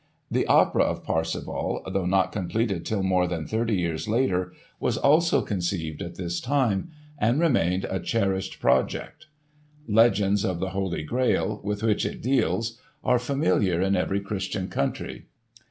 The opera of "Parsifal" though not completed till more than thirty years later was also conceived at this time, and remained a cherished project. Legends of the Holy Grail, with which it deals, are familiar in every Christian country.